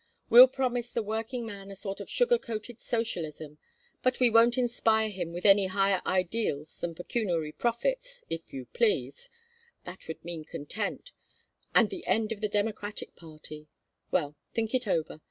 We'll promise the working man a sort of sugar coated socialism, but we won't inspire him with any higher ideals than pecuniary profits, if you please. That would mean content, and the end of the Democratic party. Well, think it over.